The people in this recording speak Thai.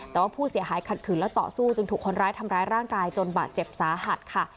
แต่ว่าผู้เสียหายขัดขืนและต่อสู้จึงถูกคนร้ายทำร้ายร่างกายจนบาดเจ็บสาหัสค่ะ